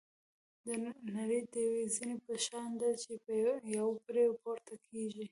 نړۍ د یوې زینې په شان ده چې یو پرې پورته کېږي.